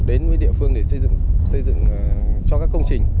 đến với địa phương để xây dựng cho các công trình